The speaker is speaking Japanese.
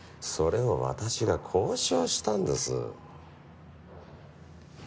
それを私が交渉したんです。